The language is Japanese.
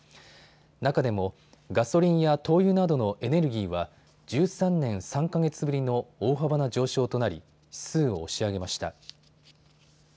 中でもガソリンや灯油などのエネルギーは１３年３か月ぶりの大幅な上昇となり指数を押し上げました。